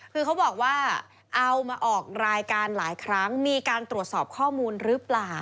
คือเขาบอกว่าเอามาออกรายการหลายครั้งมีการตรวจสอบข้อมูลหรือเปล่า